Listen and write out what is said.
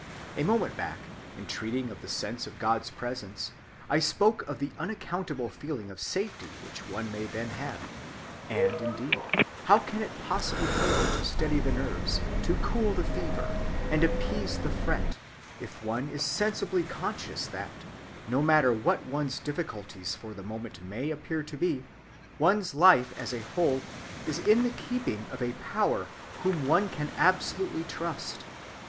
A moment back, in treating of the sense of God's presence, I spoke of the unaccountable feeling of safety which one may then have. And, indeed, how can it possibly fail to steady the nerves, to cool the fever, and appease the fret, if one be sensibly conscious that, no matter what one's difficulties for the moment may appear to be, one's life as a whole is in the keeping of a power whom one can absolutely trust?